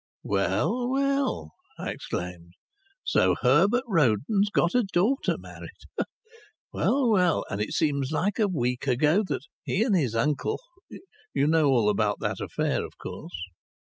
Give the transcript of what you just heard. "Well, well!" I exclaimed. "So Herbert Roden's got a daughter married. Well, well! And it seems like a week ago that he and his uncle you know all about that affair, of course?"